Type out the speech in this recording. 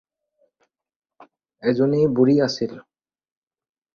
এজনী বুঢ়ী আছিল।